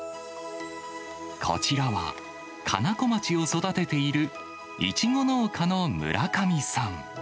こちらは、かなこまちを育てているイチゴ農家の村上さん。